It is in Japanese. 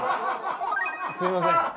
すいません。